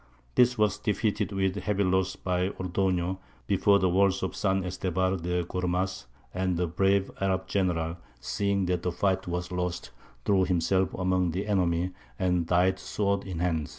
This was defeated with heavy loss by Ordoño before the walls of San Estevar de Gormaz, and the brave Arab general, seeing that the fight was lost, threw himself among the enemy, and died sword in hand.